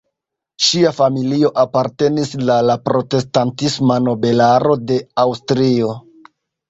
Ŝia familio apartenis la la protestantisma nobelaro de Aŭstrio.